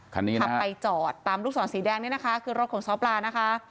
คันนี้ขับไปจอดตามลูกศรสีแดงนี่นะคะคือรถของซ้อปลานะคะ